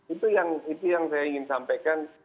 itu yang saya ingin sampaikan